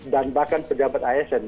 dan bahkan pejabat asn